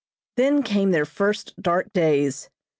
Then came their first dark days.